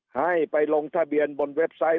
ให้ไปลงทะเบียนบนเว็บไซต์